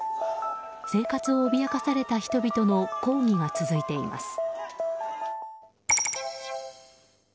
生活を脅かされた人々の抗議が続いています。